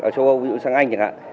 ở châu âu ví dụ sang anh chẳng hạn